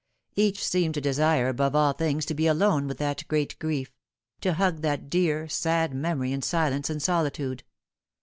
Each seemed to desire above all things to be alone with thatfjreal grief to hug that dear, sad memory in silence and solirode.